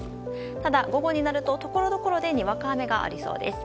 ただ、午後になるとところどころでにわか雨がありそうです。